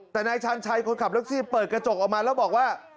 แต่นายชาญชัยคนขับแท็กซี่เปิดกระจกออกมาแล้วบอกว่า